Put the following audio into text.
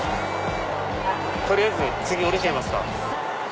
取りあえず次降りちゃいますか。